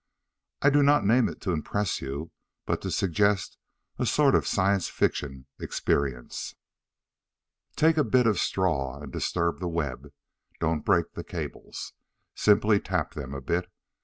I do not name it to impress you, but to suggest a sort of science fiction experience. Take a bit of straw and disturb the web. Don't break the cables. Simply tap them a bit.